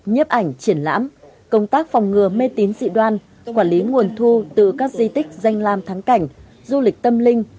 nhiếp ảnh triển lãm công tác phòng ngừa mê tín dị đoan quản lý nguồn thu từ các di tích danh lam thắng cảnh du lịch tâm linh